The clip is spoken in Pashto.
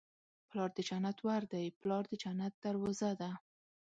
پلار د جنت ور دی. پلار د جنت دروازه ده